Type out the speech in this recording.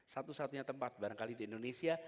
satu satunya tempat barangkali di indonesia